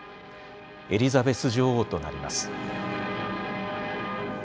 エリザベス女王となります。